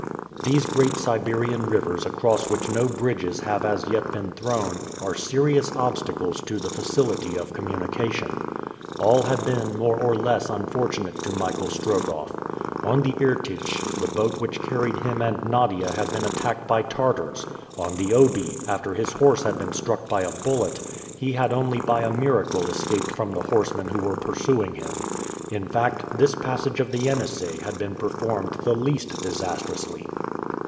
These great Siberian rivers across which no bridges have as yet been thrown, are serious obstacles to the facility of communication. All had been more or less unfortunate to Michael Strogoff. On the Irtych, the boat which carried him and Nadia had been attacked by Tartars. On the Obi, after his horse had been struck by a bullet, he had only by a miracle escaped from the horsemen who were pursuing him. In fact, this passage of the Yenisei had been performed the least disastrously.